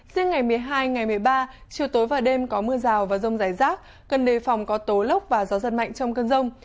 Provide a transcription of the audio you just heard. riêng ngày một mươi hai ngày một mươi ba chiều tối và đêm có mưa rào và rông rải rác cần đề phòng có tố lốc và gió giật mạnh trong cơn rông